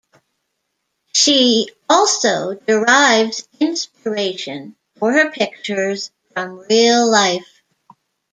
She also derives inspiration for her pictures from real life.